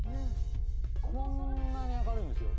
こんなに明るいんですよ。